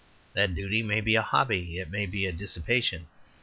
That duty may be a hobby; it may even be a dissipation.